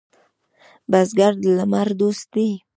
بزګر د لمر دوست دی